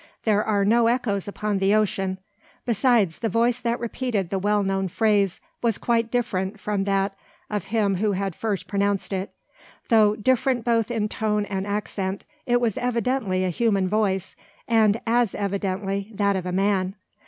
There are no echoes upon the ocean; besides, the voice that repeated the well known phrase was quite different from that of him who had first pronounced it. Though different both in tone and accent, it was evidently a human voice; and, as evidently, that of a man.